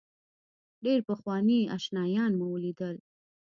ډېر پخواني آشنایان مې ولیدل.